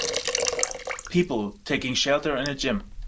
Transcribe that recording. People taking shelter in a gym